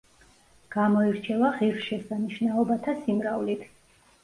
გამოირჩევა ღირსშესანიშნაობათა სიმრავლით.